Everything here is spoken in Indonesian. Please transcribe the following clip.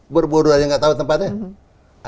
borobudur aja enggak tahu tempatnya